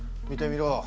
見てみろ。